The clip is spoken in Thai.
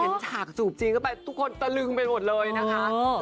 ฉากสูบจีนเข้าไปทุกคนตะลึงไปหมดเลยนะคะ